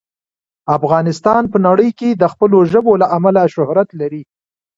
افغانستان په نړۍ کې د خپلو ژبو له امله شهرت لري.